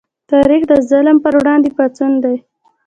تاریخ د ظلم پر وړاندې پاڅون دی.